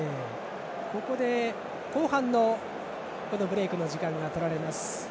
ここで後半のブレークの時間が取られます。